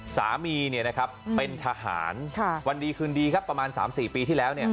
สามีเป็นทหารวันดีคืนดีครับประมาณ๓๔ปีที่แล้ว